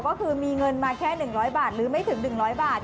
ก็คือมีเงินมาแค่๑๐๐บาทหรือไม่ถึง๑๐๐บาท